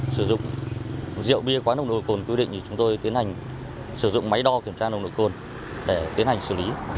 sử dụng rượu bia có nồng độ cồn quy định thì chúng tôi tiến hành sử dụng máy đo kiểm tra nồng độ cồn để tiến hành xử lý